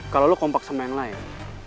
kalau lo kompak sama yang lain